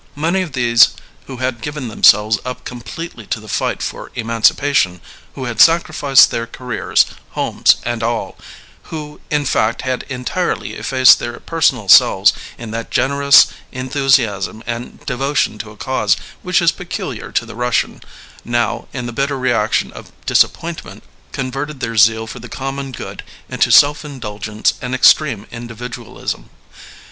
Many of these who had given themselves up completely to the fight for emancipation, who had sacrificed their careers, homes and all, who, in fact, had entirely effaced their personal selves in that generous enthusiasm and devotion to a cause which is peculiar to the Russian, now, in the bitter reaction of disappoint ment, converted their zeal for the common good into self indulgence and extreme individualism.